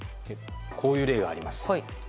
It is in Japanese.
こういう例があります。